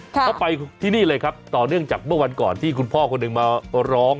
เขาไปที่นี่เลยครับต่อเนื่องจากเมื่อวันก่อนที่คุณพ่อคนหนึ่งมาร้อง